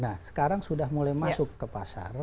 nah sekarang sudah mulai masuk ke pasar